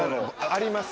あります。